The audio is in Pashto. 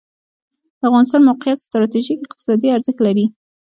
د افغانستان موقعیت ستراتیژیک اقتصادي ارزښت لري